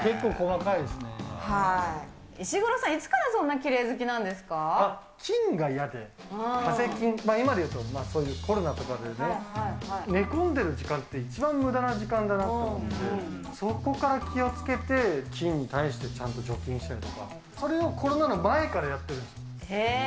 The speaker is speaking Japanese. かぜ菌、今でいうとコロナとかでね、寝込んでる時間って、一番むだな時間だなって思って、そこから気をつけて、菌に対してちゃんと除菌したりとか、それをコロナの前からやってるんです。